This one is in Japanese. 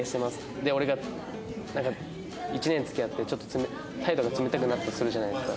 で俺がなんか１年付き合ってちょっと態度が冷たくなったとするじゃないですか。